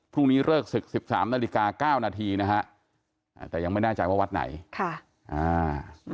เลิกศึกสิบสามนาฬิกาเก้านาทีนะฮะอ่าแต่ยังไม่แน่ใจว่าวัดไหนค่ะอ่า